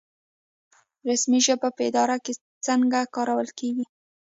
رسمي ژبې په اداره کې څنګه کارول کیږي؟